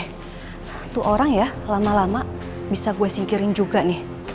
satu orang ya lama lama bisa gue singkirin juga nih